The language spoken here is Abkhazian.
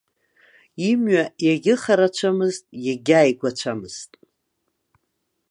Имҩа иагьыхарацәамызт, иагьааигәацәамызт.